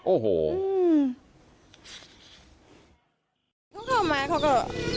โอ้โห